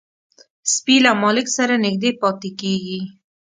سپي له مالک سره نږدې پاتې کېږي.